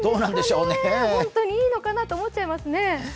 本当にいいのかなと思っちゃいますね。